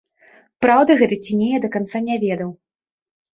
Праўда гэта ці не, я да канца не ведаў.